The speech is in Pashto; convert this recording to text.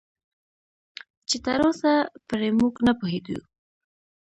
چې تراوسه پرې موږ نه پوهېدو